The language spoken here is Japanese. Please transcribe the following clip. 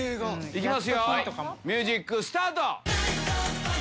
行きますよミュージックスタート！